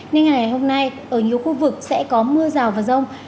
nên ngày hôm nay ở nhiều khu vực sẽ có mưa rào và rông